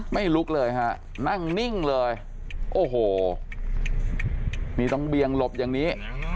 ไม่ลุกเลยฮะนั่งนิ่งเลยโอ้โหนี่ต้องเบียงหลบอย่างนี้